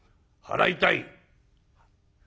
払いたい」。